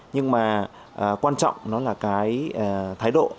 nhưng mà quan trọng nó là cái thái độ